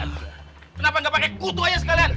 kenapa nggak pakai kutu aja sekalian